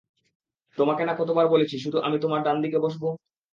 তোমাকে না কতবার বলেছি শুধু আমি তোমার ডানদিকে বসব?